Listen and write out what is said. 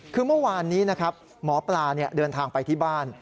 คือเมื่อวานนี้นะครับหมอปลาเดินทางไปที่บ้าน